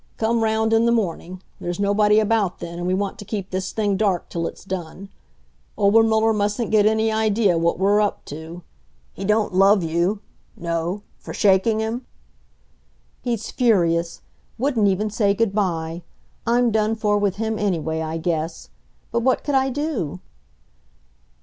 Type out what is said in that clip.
Come round in the morning; there's nobody about then, and we want to keep this thing dark till it's done. Obermuller mustn't get any idea what we're up to.... He don't love you no for shaking him?" "He's furious; wouldn't even say good by. I'm done for with him, anyway, I guess. But what could I do?"